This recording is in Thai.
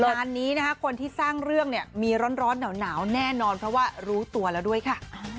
งานนี้นะคะคนที่สร้างเรื่องเนี่ยมีร้อนหนาวแน่นอนเพราะว่ารู้ตัวแล้วด้วยค่ะ